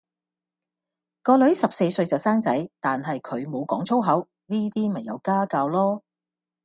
個女十四歲就生仔，但係佢無講粗口，呢啲咪有家教囉